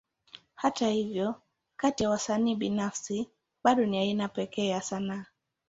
Hata hivyo, kati ya wasanii binafsi, bado ni aina ya pekee ya sanaa.